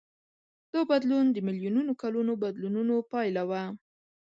دا بدلون د میلیونونو کلونو بدلونونو پایله وه.